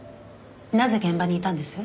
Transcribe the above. なぜ現場にいたんです？